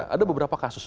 ada beberapa kasus